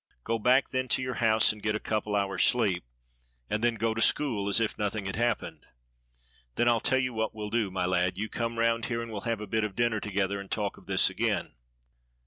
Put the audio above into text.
Go back then, to your house, and get a couple of hours' sleep, and then go to school as if nothing had happened. Then I'll tell you what we'll do, my lad: you come round here and we'll have a bit of dinner together and talk of this again."